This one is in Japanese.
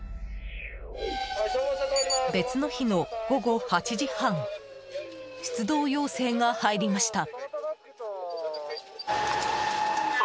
別の日の午後８時半出動要請が入りました。